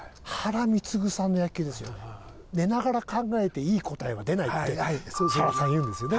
「寝ながら考えていい答えは出ない」って原さん言うんですよね。